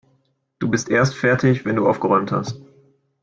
Du bist erst fertig, wenn du aufgeräumt hast.